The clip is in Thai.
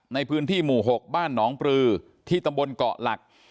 ในพื้นที่หมู่๖บ้านหนองปลือที่ตำบลเกาะหลัก